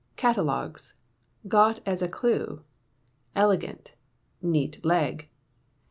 Catalogues..............Got as a clue. Elegant ................Neat leg.